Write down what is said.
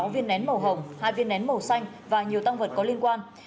một trăm ba mươi sáu viên nén màu hồng hai viên nén màu xanh và nhiều tăng vật có liên quan